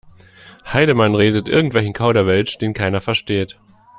Heidemann redet irgendwelchen Kauderwelsch, den keiner versteht.